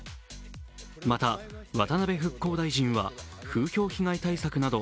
また、渡辺復興大臣は風評被害対策など